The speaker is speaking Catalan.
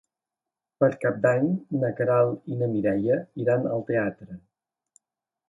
Per Cap d'Any na Queralt i na Mireia iran al teatre.